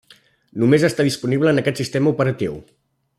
Només està disponible en aquest sistema operatiu.